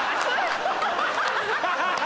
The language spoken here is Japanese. ハハハハ！